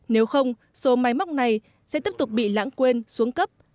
nếu không số máy móc này sẽ tiếp tục bị lãng quên xuống cấp